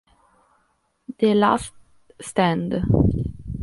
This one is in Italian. The Last Stand